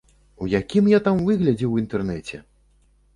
У якім я там выглядзе, у інтэрнэце!